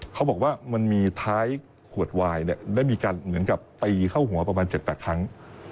เขาบอกว่ามันมีท้ายขวดวายเนี่ยได้มีการเหมือนกับตีเข้าหัวประมาณ๗๘ครั้ง